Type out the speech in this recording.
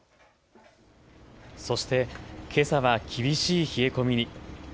そして、けさは厳しい冷え込みに。